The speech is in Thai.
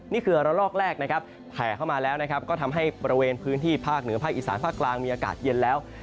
นี้คือวอรลอกแรกแผลมาก็ทำให้ประเทศไตน์ภาคเหนืออีสานภาคกลางมีอากาศเย็นแล้ว